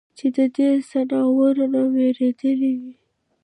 چې د دې ځناورو نه وېرېدلے وي ؟